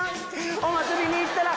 お祭りに行ったら